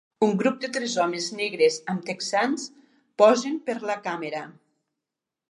Un grup de tres homes negres amb texans posen per la càmera.